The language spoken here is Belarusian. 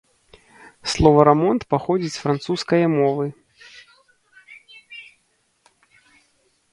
Слова „рамонт“ паходзіць з францускае мовы.